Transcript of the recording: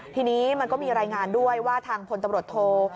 ทีนี้มันก็มีรายงานด้วยว่าทางพลตำรวจโท